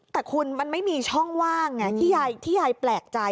แต่คุณมันไม่มีช่องว่างไงที่ยายแปลกใจ